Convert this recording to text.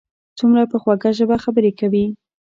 څومره په خوږه ژبه خبرې کوي.